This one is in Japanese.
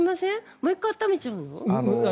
もう一回暖めちゃうの？